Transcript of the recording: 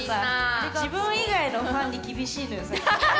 自分以外のファンに厳しいのよ最近。